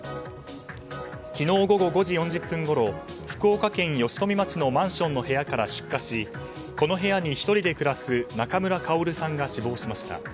昨日午後５時４０分ごろ福岡県吉富町のマンションの部屋から出火しこの部屋に１人で暮らす中村香さんが死亡しました。